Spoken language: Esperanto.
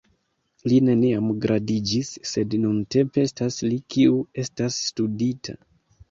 Li neniam gradiĝis, sed nuntempe estas li kiu estas studita.